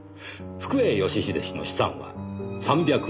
福栄義英氏の資産は３００億円。